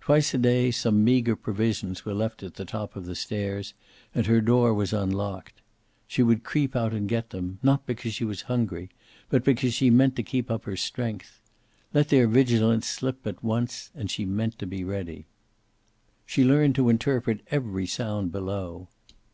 Twice a day some meager provisions were left at the top of the stairs and her door was unlocked. She would creep out and get them, not because she was hungry, but because she meant to keep up her strength. Let their vigilance slip but once, and she meant to be ready. She learned to interpret every sound below.